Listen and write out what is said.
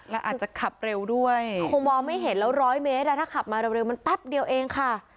และอาจจะขับเร็วด้วยคงมองไม่เห็นแล้วร้อยเมตรถ้าขับมาเร็วมันแป๊บเดียวเองค่ะ